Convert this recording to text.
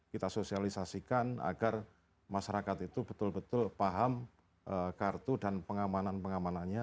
kita sosialisasikan agar masyarakat itu betul betul paham kartu dan pengamanan pengamanannya